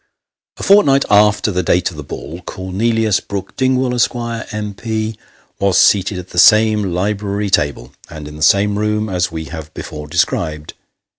A fortnight after the date of the ball, Cornelius Brook Dingwall, Esq., M.P., was seated at the same library table, and in the same room, as we have before described.